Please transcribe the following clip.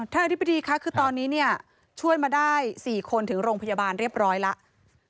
อธิบดีค่ะคือตอนนี้เนี่ยช่วยมาได้๔คนถึงโรงพยาบาลเรียบร้อยแล้ว